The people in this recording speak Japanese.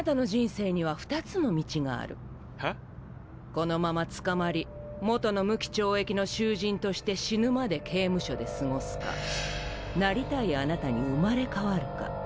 このまま捕まり元の無期懲役の囚人として死ぬまで刑務所で過ごすかなりたい貴方に生まれ変わるか。